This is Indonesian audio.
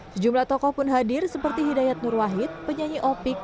sejumlah tokoh pun hadir seperti hidayat nurwahid penyanyi opik